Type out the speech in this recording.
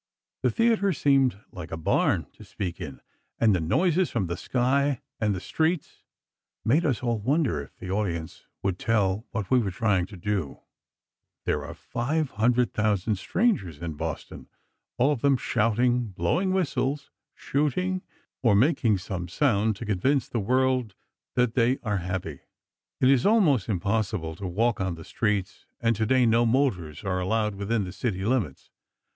The theatre seemed like a barn to speak in, and the noises from the sky and the streets made us all wonder if the audience would tell what we were trying to do. There are 500,000 strangers in Boston, all of them shouting, blowing whistles, shooting, or making some sound to convince the world that they are "happy." It is almost impossible to walk on the streets and today no motors are allowed within the city limits.